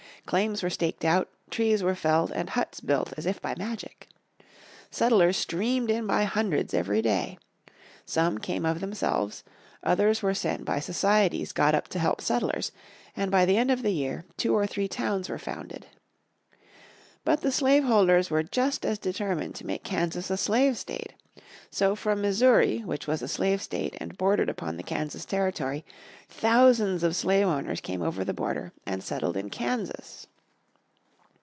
Claims were staked out, trees were felled, and huts built as if by magic. Settlers streamed in by hundreds every day. Some came of themselves, others were sent by societies got up to help settlers, and by the end of the year, two or three towns were founded. But the slave holders were just as determined to make Kansas a slave state. So from Missouri, which was a slave state and bordered upon the Kansas Territory, thousands of slave owners came over the border and settled in Kansas.